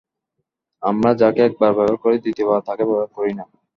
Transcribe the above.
আমরা যাকে একবার ব্যবহার করি, দ্বিতীয়বার তাকে ব্যবহার করি না।